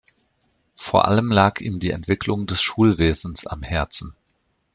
Vor allem lag ihm die Entwicklung des Schulwesens am Herzen.